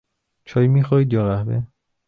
چای میخواهید یا قهوه؟